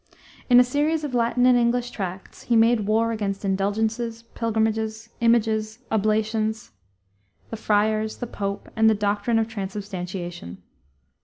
In a series of Latin and English tracts he made war against indulgences, pilgrimages, images, oblations, the friars, the pope, and the doctrine of transubstantiation.